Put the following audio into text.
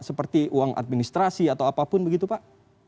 seperti uang administrasi atau apapun begitu pak